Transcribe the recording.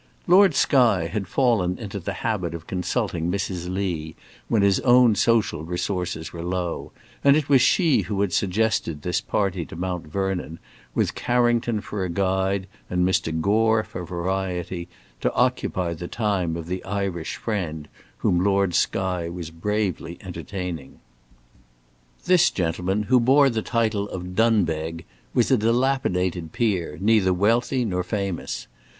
Lord Skye had fallen into the habit of consulting Mrs. Lee when his own social resources were low, and it was she who had suggested this party to Mount Vernon, with Carrington for a guide and Mr. Gore for variety, to occupy the time of the Irish friend whom Lord Skye was bravely entertaining. This gentleman, who bore the title of Dunbeg, was a dilapidated peer, neither wealthy nor famous.